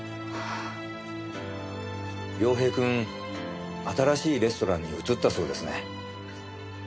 涼平くん新しいレストランに移ったそうですね。